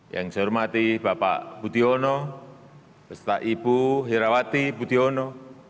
yang saya hormati bapak budiono beserta ibu hirawati budiono